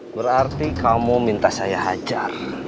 berarti kamu minta saya hajar